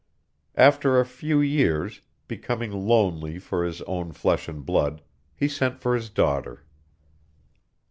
After a few years, becoming lonely for his own flesh and blood, he sent for his daughter.